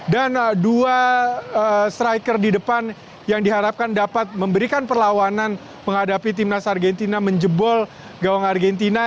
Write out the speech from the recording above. dan dua striker di depan yang diharapkan dapat memberikan perlawanan menghadapi timnas argentina menjebol gawang argentina